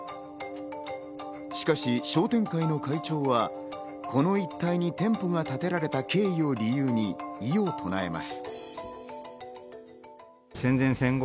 しかし商店会の会長は、この一帯に店舗が建てられた経緯を理由に異を唱えます。